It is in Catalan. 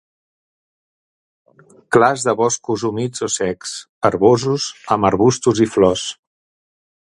Clars de boscos humits o secs, herbosos, amb arbustos i flors.